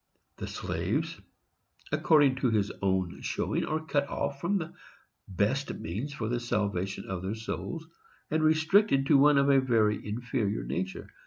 The slaves, according to his own showing, are cut off from the best means for the salvation of their souls, and restricted to one of a very inferior nature.